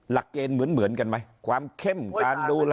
หลักเกณฑ์เหมือนกันไหมความเข้มการดู